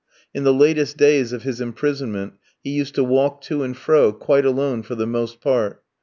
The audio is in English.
In the latest days of his imprisonment he used to walk to and fro, quite alone for the most part.